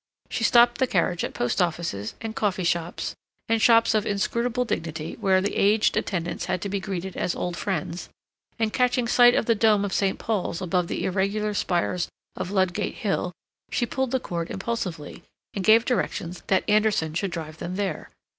She stopped the carriage at post offices, and coffee shops, and shops of inscrutable dignity where the aged attendants had to be greeted as old friends; and, catching sight of the dome of St. Paul's above the irregular spires of Ludgate Hill, she pulled the cord impulsively, and gave directions that Anderson should drive them there.